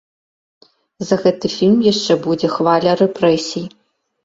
За гэты фільм яшчэ будзе хваля рэпрэсій.